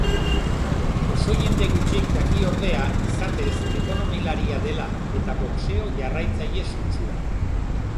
Oso jende gutxik daki ordea izatez ekonomialaria dela, eta boxeo jarraitzaile sutsua.